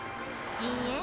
いいえ。